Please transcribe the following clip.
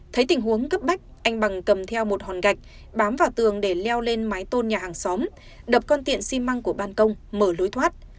thấy tình huống cấp bách anh bằng cầm theo một hòn gạch bám vào tường để leo lên mái tôn nhà hàng xóm đập con tiện xi măng của ban công mở lối thoát